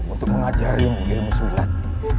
untuk mengajarimu ilmu sulat